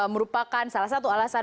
merupakan salah satu alasan